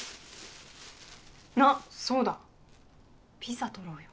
あそうだ！ピザ取ろうよ。